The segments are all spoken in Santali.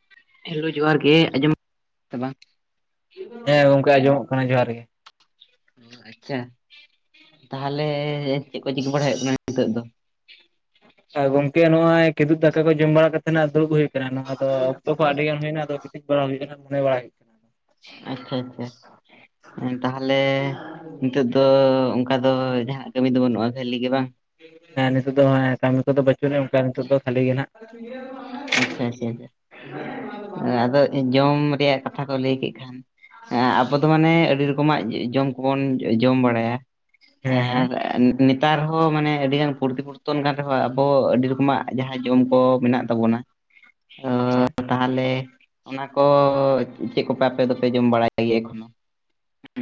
[inaudible] ᱦᱮᱞᱳ ᱡᱚᱸᱦᱟᱨ ᱜᱮ, ᱟᱸᱡᱚᱢ [inaudible] ᱠᱟᱫᱟᱼᱼ ᱮ ᱜᱚᱝᱠᱮ, ᱟᱸᱡᱚᱢᱚᱜ ᱠᱟᱱᱟ, ᱡᱚᱦᱟᱨ ᱜᱮ᱾ ᱚ ᱟᱪᱪᱷᱟ, ᱛᱟᱦᱚᱞᱮᱻ, ᱪᱮᱜ ᱠᱚ ᱪᱤᱠᱟᱹ ᱵᱟᱲᱟᱭ ᱦᱩᱭᱩᱜ ᱠᱟᱱᱟ, ᱦᱤᱸᱛᱚᱜ ᱫᱚ? [inaudible] ᱜᱚᱝᱠᱮ ᱱᱚᱼᱚᱭ ᱠᱤᱫᱩᱵ ᱫᱟᱠᱟ ᱠᱚ, ᱡᱚᱢ ᱵᱟᱲᱟ ᱠᱟᱛᱮ ᱱᱟᱜ, ᱫᱩᱲᱩᱵ ᱦᱩᱭ ᱠᱟᱱᱟ, ᱱᱚᱣᱟ ᱫᱚ, ᱚᱠᱛᱚ ᱠᱚ ᱟᱹᱰᱤ ᱜᱟᱱ ᱦᱩᱭᱱᱟ, ᱟᱫᱚ [unintelligible] ᱵᱟᱲᱟ ᱦᱩᱭ ᱠᱟᱱᱟ, [unintelligible] ᱵᱟᱲᱟ ᱜᱮ ᱟᱪᱪᱷᱟ-ᱟᱪᱪᱷᱟ, ᱛᱟᱦᱞᱮ ᱱᱤᱛᱚᱜ ᱫᱚ, ᱚᱱᱠᱟ ᱫᱚ, ᱡᱟᱦᱱᱟᱜ ᱠᱟᱹᱢᱤ ᱫᱚ ᱵᱟᱹᱱᱩᱜᱼᱟ, ᱠᱷᱟᱹᱞᱤ ᱜᱮ ᱵᱟᱝ? ᱦᱮᱸ, ᱱᱤᱛᱚᱜ ᱫᱚ, ᱦᱮᱸ, ᱠᱟᱹᱢᱤ ᱠᱚᱫᱚ ᱫᱚ ᱵᱟᱹᱪᱩᱜ [unintelligible] ᱱᱤᱛᱚᱜ ᱫᱚ ᱠᱷᱟᱞᱤ ᱜᱮ ᱦᱟᱸᱜ᱾ [inaudible] ᱟᱪᱪᱷᱟ -ᱟᱪᱪᱷᱟ, [inaudible] ᱟᱫᱚ, ᱡᱚᱢ, ᱨᱮᱭᱟᱜ ᱠᱟᱛᱷᱟ ᱠᱚ ᱞᱟᱹᱭ ᱮ, ᱟᱠᱚ ᱫᱚ ᱢᱟᱱᱮ, ᱟᱹᱰᱤ ᱨᱚᱠᱚᱢᱟᱜ ᱡᱚᱢ ᱠᱚᱵᱚᱱ ᱡᱚᱢ ᱵᱟᱲᱟ ᱭᱟ᱾ ᱦᱮᱸ ᱦᱮᱸ ᱮᱸ, ᱮ, ᱱᱮᱛᱟᱨ ᱦᱚᱸ ᱢᱟᱱᱮ, ᱟᱹᱰᱤ ᱜᱟᱱ [unintelligible] [unintelligible] ᱠᱟᱱ ᱨᱮᱦᱚᱸ, ᱟᱵᱚ ᱟᱹᱰᱤ ᱨᱚᱠᱚ ᱢᱟᱜ ᱡᱟᱦᱟᱸ ᱡᱚᱢ ᱠᱚ ᱢᱮᱱᱟᱜ ᱛᱟᱵᱚᱱᱟ᱾ [unintelligible] ᱛᱟᱦᱚᱞᱮ, ᱚᱱᱟ ᱠᱚ, ᱪᱮᱜ ᱠᱚᱯᱮ, ᱟᱯᱮ ᱫᱚᱯᱮ ᱡᱚᱢ ᱵᱟᱲᱟᱭ, ᱜᱮ ᱮᱠᱷᱚᱱᱚ᱾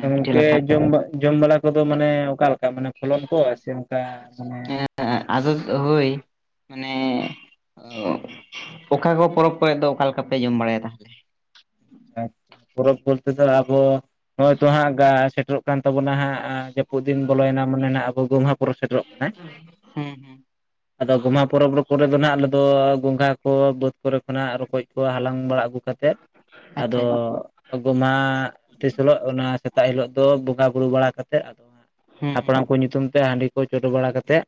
ᱜᱚᱝᱠᱮ, ᱡᱚᱢ, ᱡᱚᱢ ᱵᱟᱞᱟ ᱠᱚᱫᱚ ᱢᱟᱱᱮ ᱚᱠᱟᱞᱮᱠᱟ, ᱢᱟᱱᱮ, ᱯᱷᱚᱞᱚᱱ ᱠᱚ, ᱥᱮ ᱚᱱᱠᱟ, ᱢᱟᱱᱮ ᱟᱹ, ᱟᱹ, ᱟᱫᱚ ᱦᱳᱭ, ᱢᱟᱱᱮᱼᱼ [inaudible] ᱚᱠᱟ ᱠᱚ ᱯᱚᱨᱚᱵ ᱠᱚᱨᱮᱜ ᱫᱚ, ᱚᱠᱟ ᱞᱮᱠᱟ ᱯᱮ ᱡᱚᱢ ᱵᱟᱲᱟᱭ ᱫᱟ? [inaudible] ᱯᱚᱨᱚᱵ ᱵᱚᱞᱛᱮ ᱫᱚ ᱟᱵᱚ, ᱱᱚᱜ-ᱚᱭ ᱛᱚ ᱦᱟᱸᱜ, ᱜᱟ, ᱥᱮᱴᱮᱨᱚᱜᱼᱼ ᱠᱟᱱ ᱛᱟᱵᱚᱱᱟ ᱦᱟᱸᱜ, ᱟᱸ, ᱡᱟᱹᱯᱩᱫ ᱫᱤᱱ ᱵᱚᱞᱚᱭᱮᱱᱟ ᱢᱟᱱᱮ ᱱᱟᱜ ᱟᱵᱚ ᱜᱚᱢᱦᱟ ᱯᱚᱨᱚᱵ ᱥᱮᱴᱮᱨᱚᱜ ᱠᱟᱱᱟ ᱦᱮᱸᱼᱼ ᱦᱩᱸ ᱦᱩᱸ [inaudible] ᱟᱫᱚ ᱜᱚᱢᱦᱟ ᱯᱚᱨᱚᱵ ᱯᱚᱨᱮ ᱫᱚ ᱱᱟᱜ ᱟᱞᱮ ᱫᱚ, ᱜᱚᱸᱜᱷᱟ ᱠᱚ, ᱵᱟᱹᱫ ᱠᱚᱨᱮ ᱠᱷᱚᱱᱟᱜ, ᱨᱚᱠᱚᱡ ᱠᱚ ᱦᱟᱞᱟᱝ ᱵᱟᱲᱟ ᱟᱹᱜᱩ ᱠᱟᱛᱮᱜᱼᱼ ᱟᱪᱪᱷᱟ ᱟᱫᱚᱼᱼ ᱜᱚᱢᱦᱟ, ᱛᱤᱥ ᱦᱤᱞᱚᱜ ᱚᱱᱟ, ᱥᱮᱛᱟᱜ ᱦᱤᱞᱳᱜ ᱫᱚ, ᱵᱚᱸᱜᱟ ᱵᱩᱨᱩ ᱵᱟᱲᱟ ᱠᱟᱛᱮᱫ ᱟᱫᱚᱼᱼ ᱦᱩᱸ ᱦᱩᱸ ᱦᱟᱯᱲᱟᱢ ᱠᱚ ᱧᱩᱛᱩᱢ ᱛᱮ ᱦᱟᱺᱰᱤ ᱠᱚ ᱪᱚᱰᱚᱨ ᱵᱟᱲᱟ ᱠᱟᱛᱮᱫ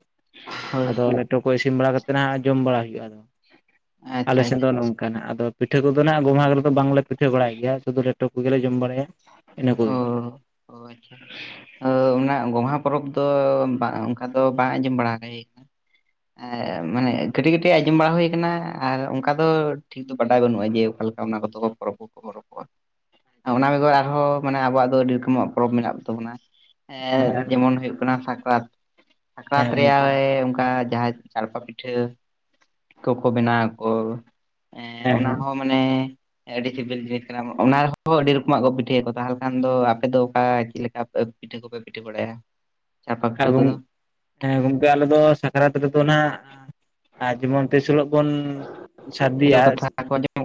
ᱦᱳᱭ ᱟᱫᱚ ᱞᱮ ᱴᱳᱨᱳ ᱠᱚ ᱤᱥᱤᱱ ᱵᱟᱲᱟ ᱠᱟᱛᱮᱫ ᱱᱟᱜ ᱡᱚᱢ ᱵᱟᱲᱟ ᱦᱩᱭᱩᱜ-ᱟ ᱟᱫᱚ ᱟᱞᱮ ᱟᱪᱪᱷᱟ ᱥᱮᱫ ᱟᱪᱪᱷᱟ ᱫᱚ ᱚᱱᱚ ᱱᱚᱝᱠᱟ ᱠᱟᱱᱟ ᱟᱫᱚ ᱯᱤᱴᱷᱟᱹ ᱠᱚᱫᱚ ᱱᱟᱦᱟᱜ ᱜᱚᱢᱦᱟ‌ ᱠᱚᱨᱮ ᱫᱚ ᱵᱟᱝᱞᱮ ᱯᱤᱴᱷᱟᱹ ᱵᱟᱲᱟᱭ ᱜᱮᱭᱟ ᱥᱩᱫᱩ ᱞᱮᱴᱩ ᱠᱚᱜᱮᱞᱮ ᱡᱚᱢ ᱵᱟᱲᱟᱭᱟ᱾ ᱤᱱᱟᱹ ᱚ ᱠᱚᱜᱮ ᱚ ᱟᱪᱪᱷᱟ ᱾ ᱚ ᱚᱱᱟ ᱜᱚᱢᱦᱟ ᱯᱚᱨᱚᱵᱽ ᱫᱚ ᱵᱟ ᱚᱱᱠᱟ ᱫᱚ ᱵᱟᱝ ᱟᱸᱡᱚᱢ ᱵᱟᱲᱟ ᱠᱟᱹᱟᱧ ᱾ [inaudible] ᱦᱮᱸ ᱢᱟᱱᱮ ᱠᱟᱹᱴᱤᱡ ᱠᱟᱹᱴᱤᱡ ᱟᱸᱡᱚᱢ ᱵᱟᱲᱟ ᱦᱩᱭ ᱠᱟᱱᱟ ᱟᱨ ᱚᱱᱠᱟ ᱫᱚ ᱴᱷᱤᱠ ᱫᱚ ᱵᱟᱰᱟᱭ ᱵᱟᱹᱱᱩᱜᱟ ᱡᱮ ᱚᱠᱟ ᱞᱮᱠᱟ ᱚᱱᱟ ᱠᱚᱫᱚ ᱯᱚᱨᱚᱵ ᱦᱚᱸ ᱠᱚ ᱯᱚᱨᱚᱵᱚᱜ-ᱟ ᱚᱱᱟ ᱠᱚ ᱢᱟᱱᱮ ᱟᱵᱚᱣᱟᱜ ᱫᱚ ᱟᱹᱰᱤ ᱨᱚᱠᱚᱢ ᱯᱚᱨᱚᱵᱽ ᱢᱮᱱᱟᱜ ᱛᱟᱵᱚᱱᱟ ᱮᱸ ᱦᱮᱸ ᱡᱮᱢᱚᱱ ᱦᱩᱭᱩᱜ ᱦᱩᱭᱩᱜ ᱠᱟᱱᱟ ᱥᱟᱠᱨᱟᱛ, ᱦᱮᱸ ᱥᱟᱠᱨᱟᱛ ᱨᱮᱭᱟᱜ ᱜᱚᱝᱠᱮ ᱦᱮᱸ ᱮ ᱚᱱᱠᱟ ᱡᱟᱦᱟᱸᱭ ᱪᱟᱨᱯᱟ ᱯᱤᱴᱷᱟᱹ ᱠᱚᱠᱚ ᱵᱮᱱᱟᱣ ᱟᱠᱚ ᱮᱸ ᱚᱱᱟ ᱦᱮᱸ ᱦᱚᱸ ᱢᱟᱱᱮ ᱟᱹᱰᱤ ᱥᱤᱵᱤᱞ ᱡᱤᱱᱤᱥ ᱠᱟᱱᱟ ᱚᱱᱟ ᱨᱮᱦᱚᱸ ᱟᱹᱰᱤ ᱨᱮ ᱨᱮᱠᱚᱢᱟᱜ ᱠᱚ ᱯᱤᱴᱷᱟᱹᱭᱟᱠᱚ, ᱛᱟᱦᱚᱞᱮ ᱠᱷᱟᱱ ᱫᱚ ᱟᱯᱮ ᱫᱚ ᱚᱠᱟ ᱪᱮᱫ ᱞᱮᱠᱟ ᱯᱤᱴᱷᱟᱹ ᱠᱚᱯᱮ ᱯᱤᱴᱷᱟᱹ ᱵᱟᱲᱟᱭᱟ? ᱪᱟᱲᱯᱟ ᱦᱮᱸ ᱯᱤᱴᱷᱟᱹ ᱜᱚᱫ ᱠᱚᱫᱚ ᱦᱮᱸ ᱜᱚᱝᱠᱮ ᱟᱞᱮ ᱫᱚ ᱥᱟᱠᱨᱟᱛ ᱨᱮᱫᱚ ᱱᱟᱦᱟᱜ ᱡᱮᱢᱚᱱ ᱛᱤᱥ ᱦᱤᱞᱚᱜ ᱵᱚᱱ ᱦᱮᱞᱳ ᱥᱟᱹᱨᱫᱤᱭᱟ ᱠᱟᱛᱷᱟ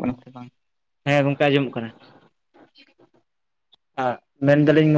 [unintelligible] ᱦᱮᱸ ᱜᱚᱝᱠᱮ ᱟᱸᱡᱚᱢᱚᱜ ᱠᱟᱱᱟ ᱾ ᱦ ᱢᱮᱱ ᱫᱟᱞᱤᱧ